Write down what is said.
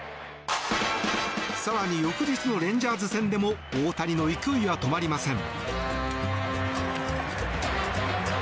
更に、翌日のレンジャーズ戦でも大谷の勢いは止まりません。